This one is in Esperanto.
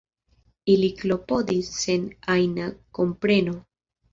Ili klopodis sen ajna kompreno.